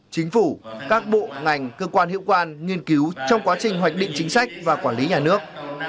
chính phủ các bộ ngành cơ quan hiệu quan nghiên cứu trong quá trình hoạch định chính sách và quản lý nhà nước